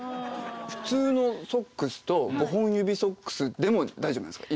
普通のソックスと５本指ソックスでも大丈夫なんですか？